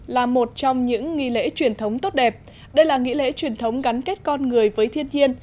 là một trong những nghi lễ truyền thống tốt đẹp đây là nghi lễ truyền thống gắn kết con người với thiên nhiên